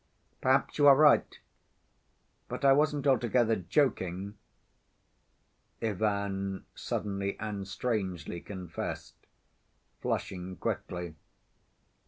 "Perhaps you are right! ... But I wasn't altogether joking," Ivan suddenly and strangely confessed, flushing quickly.